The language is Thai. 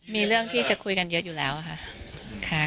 มีเรื่องที่จะคุยกันเยอะอยู่แล้วค่ะ